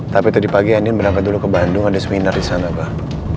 tapi tadi pagi anin berangkat dulu ke bandung ada seminar di sana bang